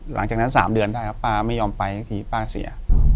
หลังจากนั้น๓เดือนได้ครับป้าไม่ยอมไปสักทีป้าเสีย